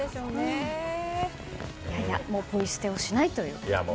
もうポイ捨てをしないということをね。